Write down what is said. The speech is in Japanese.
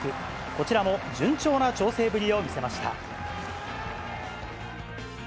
こちらも順調な調整ぶりを見せました。